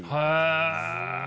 へえ。